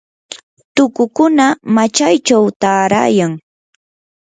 tukukuna machaychaw taarayan.